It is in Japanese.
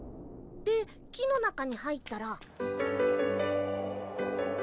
で木の中に入ったら。